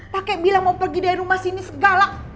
kakek bilang mau pergi dari rumah sini segala